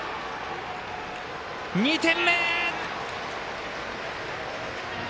２点目！